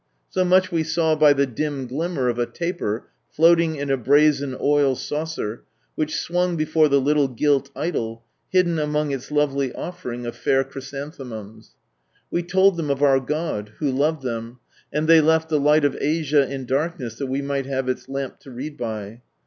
So much we saw by the dim glimmer of a taper floating in a brazen oil saucer which swung before the little gilt idol, hidden among its lovely offering of fair chrysanthemums. We told them of our God, who loved them, and they left the " Light of Asia" in darkness that we might have its lamp to read by.